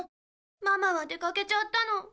ママは出かけちゃったの。